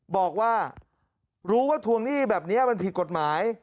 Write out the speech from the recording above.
บอกว่ารู้ว่าทวงหนี้แบบนี้มันผิดกฎหมาย